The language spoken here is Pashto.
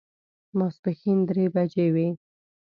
ماسپښین درې بجې وې.